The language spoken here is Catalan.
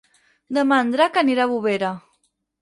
Demà en Drac anirà a Bovera.